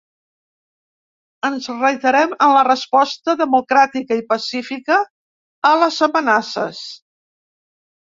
Ens reiterem en la resposta democràtica i pacífica a les amenaces.